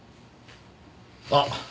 あっ！